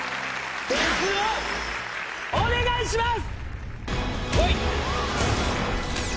点数をお願いします！